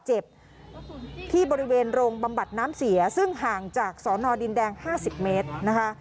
เจ็บที่บริเวณโรงบำบัดน้ำเสียซึ่งห่างจากสอนอดินแดง๕๐เมตรนะคะ